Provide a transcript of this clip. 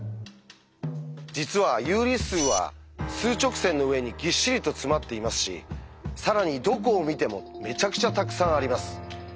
実は有理数は数直線の上にぎっしりと詰まっていますし更にどこを見てもめちゃくちゃたくさんあります。